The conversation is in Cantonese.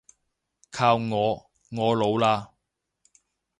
靠我，我老喇